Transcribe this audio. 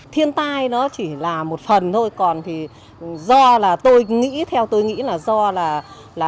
thiên tai nó chỉ là một phần thôi còn thì do là tôi nghĩ theo tôi nghĩ là do là con người mình tạo lên